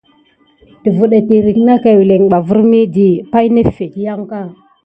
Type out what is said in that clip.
Dəfɗa étirké kaoulin bà sine kume nà wuna ka pay nà nane kilenké.